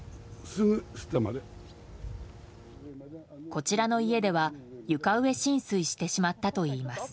こちらの家では床上浸水してしまったといいます。